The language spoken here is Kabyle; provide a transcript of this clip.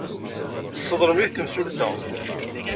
Tesseḍlem-it temsulta.